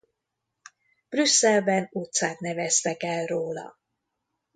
Brüsszelben utcát neveztek el róla.